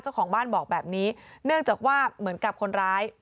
เจ้าของบ้านบอกแบบนี้เนื่องจากว่าเหมือนกับคนร้าย